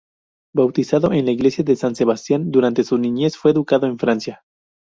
Bautizado en la iglesia de San Sebastián, durante su niñez fue educado en Francia.